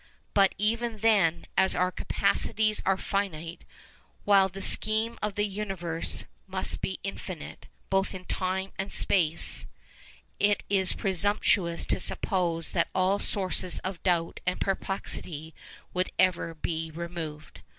But even then, as our capacities are finite, while the scheme of the universe must be infinite, both in time and space, it is presumptuous to suppose that all sources of doubt and perplexity would ever be removed.